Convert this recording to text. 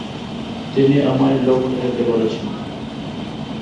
তিনি আমায় লণ্ডনে যেতে বলছেন।